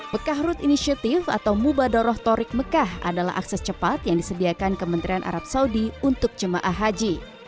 mekah road initiative atau mubadoroh torik mekah adalah akses cepat yang disediakan kementerian arab saudi untuk jemaah haji